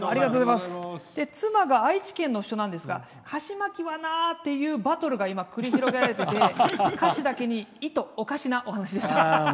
妻が愛知県の人なんですが「菓子まきはな」っていうバトルが繰り広げられてて菓子だけに「いとおかし」なお話でした。